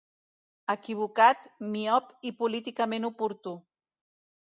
Equivocat, miop i políticament oportú.